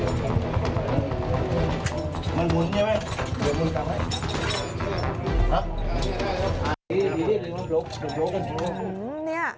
อื้มมมมมนี่